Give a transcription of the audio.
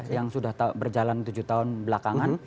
yang sudah berjalan tujuh tahun belakangan